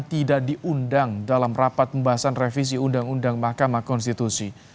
tidak diundang dalam rapat pembahasan revisi undang undang mahkamah konstitusi